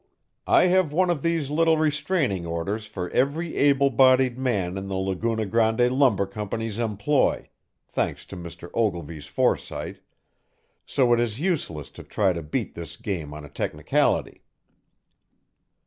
I have one of these little restraining orders for every able bodied man in the Laguna Grande Lumber Company's employ thanks to Mr. Ogilvy's foresight; so it is useless to try to beat this game on a technicality."